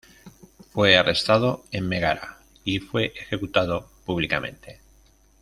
Fue arrestado en Megara y fue ejecutado públicamente.